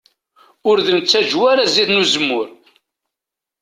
Ur d-nettaǧew ara zzit n uzemmur.